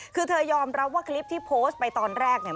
คือเธอยอมรับว่าคลิปที่โพสต์ไปตอนแรกเนี่ย